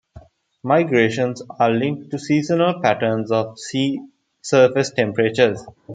Migrations are linked to seasonal patterns of sea surface temperatures.